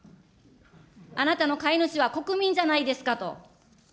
あなたの飼い主は国民じゃないですかと。